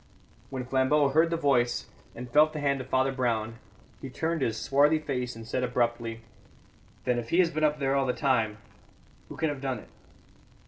When Flambeau heard the voice, and felt the hand of Father Brown, he turned his swarthy face and said abruptly: "Then, if he has been up there all the time, who can have done it?"